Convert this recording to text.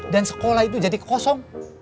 dan sekolah itu jadi kosong